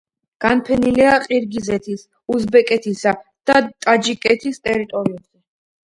განფენილია ყირგიზეთის, უზბეკეთისა და ტაჯიკეთის ტერიტორიებზე.